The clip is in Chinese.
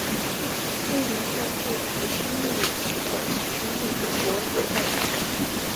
尉犁县是古西域的渠犁国所在地。